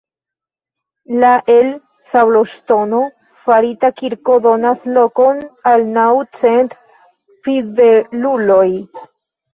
La el sabloŝtono farita kirko donas lokon al naŭ cent fideluloj.